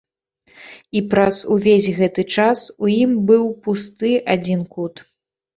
І праз увесь гэты час у ім быў пусты адзін кут.